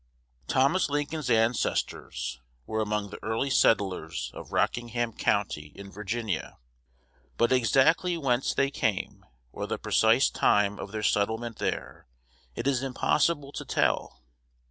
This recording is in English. Thomas Lincoln's ancestors were among the early settlers of Rockingham County in Virginia; but exactly whence they came, or the precise time of their settlement there, it is impossible to tell.